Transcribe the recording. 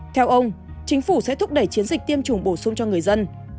theo ông chính phủ sẽ thúc đẩy chiến dịch tiêm chủng bổ sung cho người dân